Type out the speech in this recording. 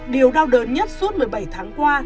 điều đau đớn nhất suốt một mươi bảy tháng qua